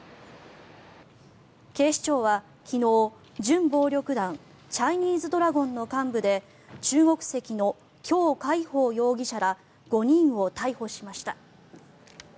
警視庁は、昨日準暴力団チャイニーズドラゴンの幹部で中国籍のキョウ・カイホウ容疑者ら５人を逮捕しました。